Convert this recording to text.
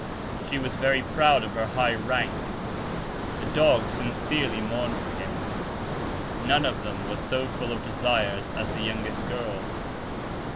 She was very proud of her high rank. The dog sincerely mourned for him. None of them was so full of desires as the youngest girl.